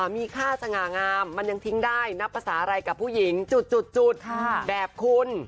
มีค่าสง่างามมันยังทิ้งได้นับภาษาอะไรกับผู้หญิงจุดแบบคุณ